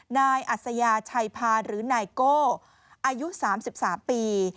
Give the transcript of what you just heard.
นายอัศยาชัยพาหรือนายโก้อายุ๓๓ปี